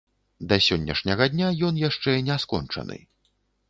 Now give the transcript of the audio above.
Да сённяшняга дня ён яшчэ не скончаны.